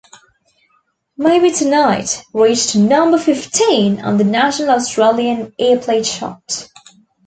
"Maybe Tonight" reached number fifteen on the national Australian airplay chart.